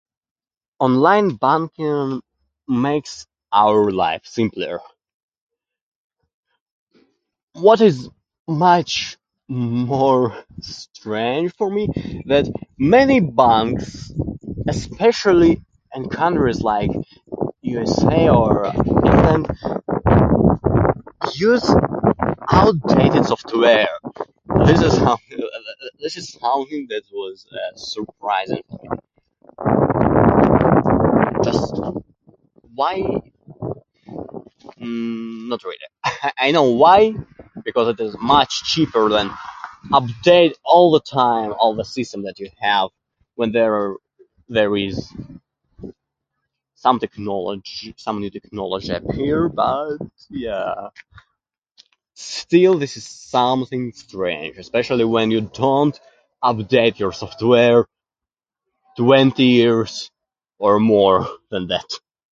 Online banking makes our lives simpler. What is much more strange for me that many banks, especially in countries like USA or England, use outdated software. This is how this this is something that was surprising to me. Just, why? Not really, I know why: because it is much cheaper than update all the time, all the systems that you have when there there is some technology, some new technology appear. But yeah, still this is something strange. Especially when you don't update your software twenty years or more than that.